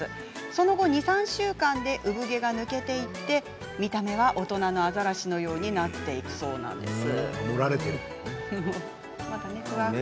その後、２、３週間で産毛が抜けていって見た目は大人のアザラシのようになっていくそうなんです。